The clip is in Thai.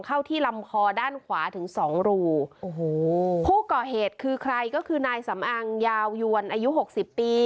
เข้าที่ลำคอด้านขวาถึงสองรูโอ้โหผู้ก่อเหตุคือใครก็คือนายสำอังยาวยวนอายุหกสิบปี